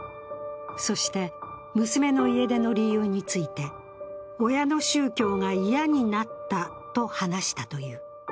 そして娘の家出の理由について親の宗教が嫌になったと話したという。